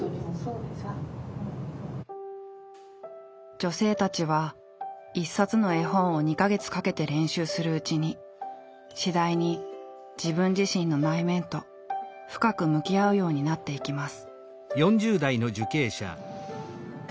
女性たちは一冊の絵本を２か月かけて練習するうちに次第に自分自身の内面と深く向き合うようになっていきます。